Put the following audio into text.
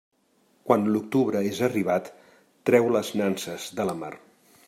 Quan l'octubre és arribat, treu les nanses de la mar.